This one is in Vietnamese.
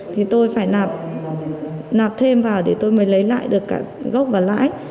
thì tôi phải nạp nạp thêm vào để tôi mới lấy lại được cả gốc và lãi